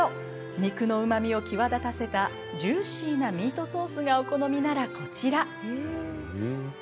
肉のうまみを際立たせたジューシーなミートソースがお好みならこちら。